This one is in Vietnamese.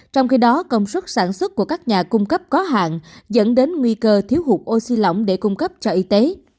trong khi đó công suất sản xuất của các nhà cung cấp có hạn dẫn đến nguy cơ thiếu hụt oxy lỏng để cung cấp cho y tế